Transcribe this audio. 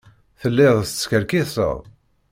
Telliḍ teskerkiseḍ.